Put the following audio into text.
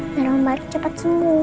ntar om baik cepet sembuh